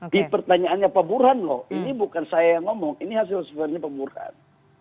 di pertanyaannya pak burhan loh ini bukan saya yang ngomong ini hasil sebenarnya pak burhan